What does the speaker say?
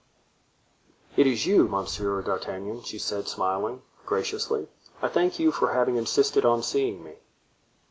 "It is you, Monsieur D'Artagnan," she said, smiling graciously; "I thank you for having insisted on seeing me."